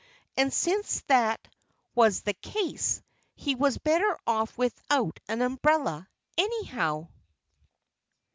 And since that was the case, he was better off without an umbrella, anyhow.